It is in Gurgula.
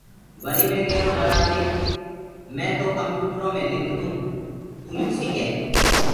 وريٚ مي ڪيرو ٻڙآ دي مي تو ڪمپيوٽرو مي لکدونٚ تو لکسيٚ ڪي